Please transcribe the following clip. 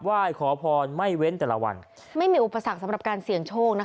ไหว้ขอพรไม่เว้นแต่ละวันไม่มีอุปสรรคสำหรับการเสี่ยงโชคนะคะ